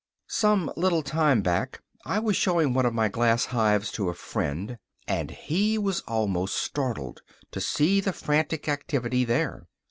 Some little time back I was showing one of my glass hives to a friend, and he was almost startled to see the frantic activity there.